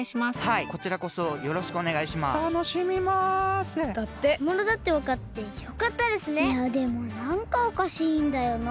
いやでもなんかおかしいんだよな。